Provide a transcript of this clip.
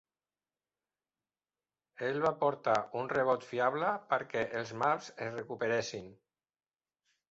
Ell va portar un rebot fiable perquè els Mavs es recuperessin.